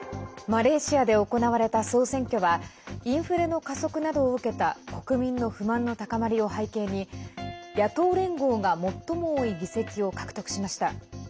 マレーシアで行われた総選挙はインフレの加速などを受けた国民の不満の高まりを背景に野党連合が最も多い議席を獲得しました。